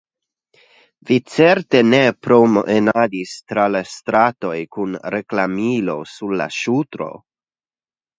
Vi certe ne promenadis tra la stratoj kun reklamilo sur la ŝultro?